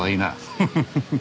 フフフフ。